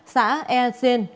xã e xiên